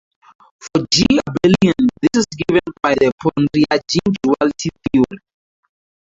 For "G" abelian this is given by the Pontryagin duality theory.